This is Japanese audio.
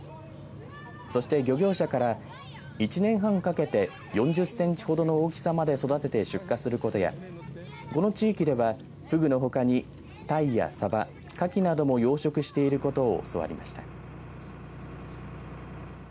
そして漁業者から１年半かけて４０センチほどの大きさまで育てて出荷することやこの地域ではフグのほかにタイやサバカキなども養殖していることを教わりました。